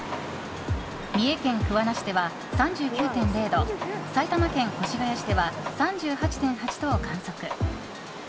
三重県桑名市では３９．０度埼玉県越谷市では３８．８度を観測。